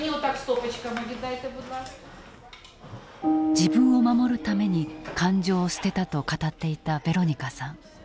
自分を守るために感情を捨てたと語っていたヴェロニカさん。